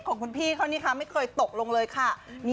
ของคุณพี่ไม่เคยตกลงเลยครับ